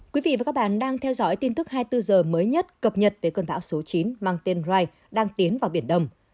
các bạn đang theo dõi tin tức hai mươi bốn h mới nhất cập nhật về cơn bão số chín mang tên rai đang tiến vào biển đông